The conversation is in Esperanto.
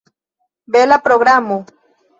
Bela programo!